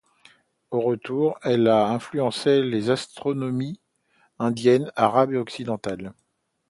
En retour, elle a influencé les astronomies indienne, arabe et occidentale.